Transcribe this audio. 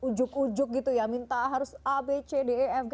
ujug ujug gitu ya minta harus a b c d e f g